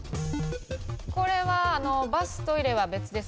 これはバス・トイレは別ですか？